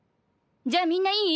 じゃあみんないい？